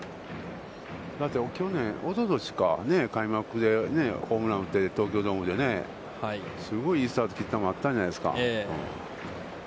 だって去年、おととしか、開幕でホームランを打って、東京ドームでね、すごい、いいスタート切ったのもあったじゃないですか。